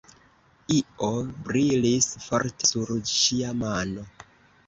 Io brilis forte sur ŝia mano.